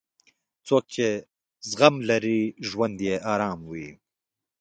څوک چې زغم لري، ژوند یې ارام وي.